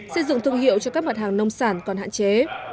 xây dựng thương hiệu cho các mặt hàng nông sản còn hạn chế